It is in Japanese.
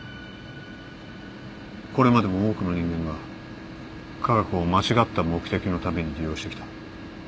これまでも多くの人間が科学を間違った目的のために利用してきた。